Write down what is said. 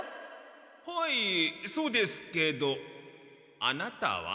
はいそうですけどアナタは？